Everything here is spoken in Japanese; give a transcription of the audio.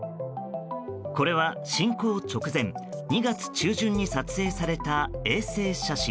これは侵攻直前２月中旬に撮影された衛星写真。